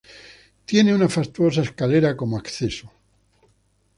Tiene una fastuosa escalera como acceso.